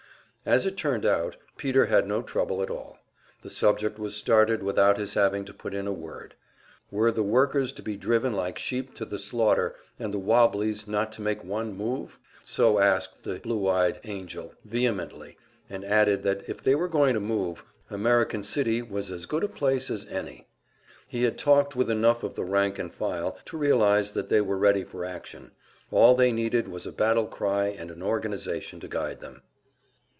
As it turned out, Peter had no trouble at all; the subject was started without his having to put in a word. Were the workers to be driven like sheep to the slaughter, and the "wobblies" not to make one move? So asked the "Blue eyed Angell," vehemently, and added that if they were going to move, American City was as good a place as any. He had talked with enough of the rank and file to realize that they were ready for action; all they needed was a battle cry and an organization to guide them.